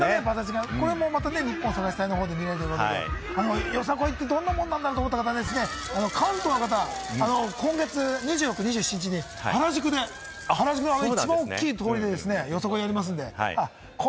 これもまたニッポン探し隊のほうで見られるということで、よさこいってどんなものなんだ？と思った方、関東の方、今月２６・２７日に原宿で、原宿の一番大きい通りで、よさこいやりますんで。